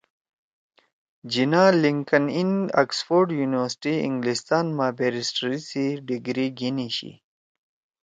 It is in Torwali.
جناح لِنکَن اِن، آکسفورڈ یُونیورسیٹی اِنگلستان ما بیریسٹری سی ڈگری گھیِنی شی